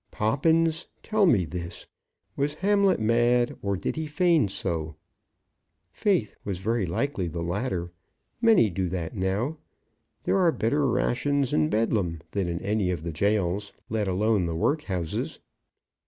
"Poppins, tell me this; was Hamlet mad, or did he feign so?" "Faith, very likely the latter. Many do that now. There are better rations in Bedlam, than in any of the gaols; let alone the workhouses."